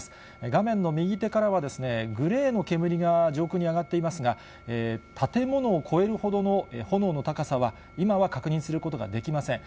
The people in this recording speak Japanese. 画面の右手からは、グレーの煙が上空に上がっていますが、建物を超えるほどの炎の高さは、今は確認することができません。